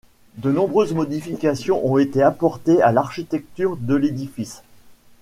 De nombreuses modifications ont été apportées à l'architecture de l'édifice.